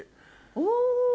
お！